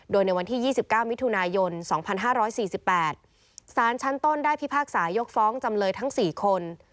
โดยในวันที่๒๙มิถุนายน๒๕๔๘สารชั้นต้นได้พิพากษายกฟ้องจำเลยทั้ง๔คน